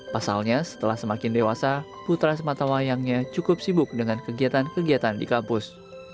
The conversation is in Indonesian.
pasalnya setelah semakin dewasa putra sematawayangnya cukup sibuk dengan kegiatan kegiatan di kampus